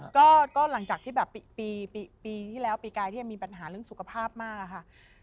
ก็หลังจากที่แบบปีที่แล้วปีกายที่ยังมีปัญหาเรื่องสุขภาพมากอะค่ะ